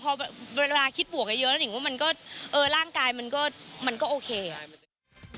พอเวลาคิดบวกไว้เยอะนี่มันก็เออร่างกายมันก็มันก็โอเค